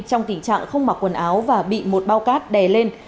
trong tình trạng không mặc quần áo và bị một bao cát đè lên